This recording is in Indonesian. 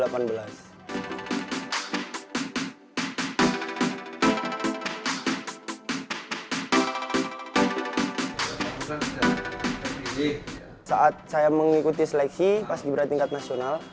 pertama saya mengikuti seleksi paski berakat tingkat nasional